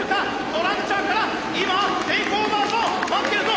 トランチャーから今テイクオーバーゾーン待ってるぞ！